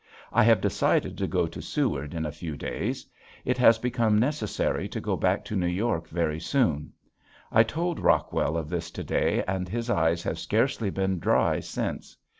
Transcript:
I have decided to go to Seward in a few days. It has become necessary to go back to New York very soon. I told Rockwell of this to day and his eyes have scarcely been dry since.